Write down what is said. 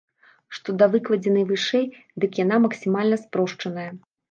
Што да выкладзенай вышэй, дык яна максімальна спрошчаная.